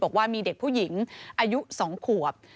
บอกว่ามีเด็กผู้หญิงอายุ๒ขวบ